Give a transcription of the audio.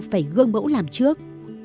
phải gương mẫu làm trước